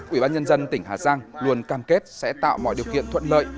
ủy ban nhân dân tỉnh hà giang luôn cam kết sẽ tạo mọi điều kiện thuận lợi